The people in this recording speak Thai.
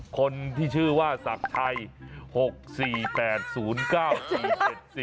คนที่ชื่อว่าศักดิ์ชัย๖๔๘๐๙๔๗๔